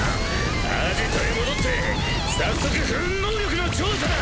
アジトへ戻って早速不運能力の調査だ！